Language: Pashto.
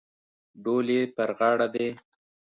ډول یې پر غاړه دی.